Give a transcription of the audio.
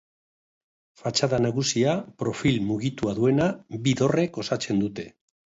Fatxada nagusia, profil mugitua duena, bi dorrek osatzen dute.